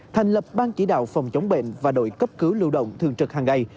thành lập ban chỉ đạo phòng chống bệnh và đội cấp cứu lưu động thường trực hàng ngày